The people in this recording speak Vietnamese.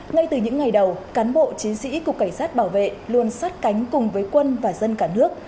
ngay từ những ngày đầu cán bộ chiến sĩ cục cảnh sát bảo vệ luôn sát cánh cùng với quân và dân cả nước